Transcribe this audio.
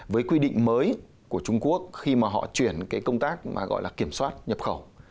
với quy định mới của trung quốc khi mà họ chuyển cái công tác mà gọi là kiểm soát nhập khẩu